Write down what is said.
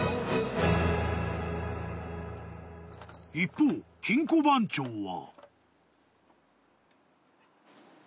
［一方金庫番長は］